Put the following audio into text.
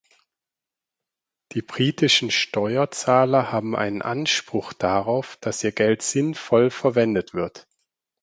Die britischen Steuerzahler haben einen Anspruch darauf, dass ihr Geld sinnvoll verwendet wird.